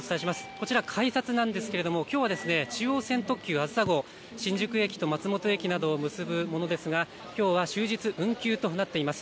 こちら改札なんですけどもきょうは中央線特急あずさ号、新宿駅と松本駅などを結ぶものですがきょうは終日運休となっています。